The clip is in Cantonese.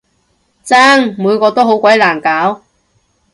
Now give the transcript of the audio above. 真！每個都好鬼難搞